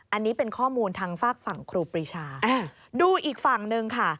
อันนี้เป็นข้อมูลทางฝากฝั่งครูปรีชาดูอีกฝั่งหนึ่งค่ะ